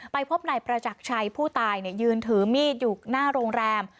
พบนายประจักรชัยผู้ตายยืนถือมีดอยู่หน้าโรงแรม